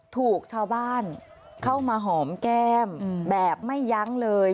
ถูกชาวบ้านเข้ามาหอมแก้มแบบไม่ยั้งเลย